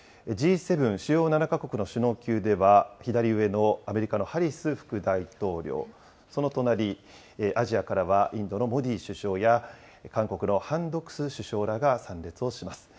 Ｇ７・主要７か国の首脳級では、左上のアメリカのハリス副大統領、その隣、アジアからはインドのモディ首相や、韓国のハン・ドクス首相らが参列をします。